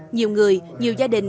nhiều người nhiều gia đình